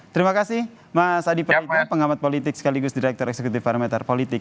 terima kasih mas adi praditno pengamat politik sekaligus direktur eksekutif parameter politik